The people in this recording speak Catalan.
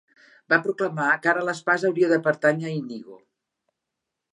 Va proclamar que ara l'espasa hauria de pertànyer a Inigo.